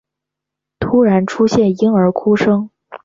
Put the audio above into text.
突然出现婴儿哭声